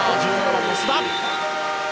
１７番の須田。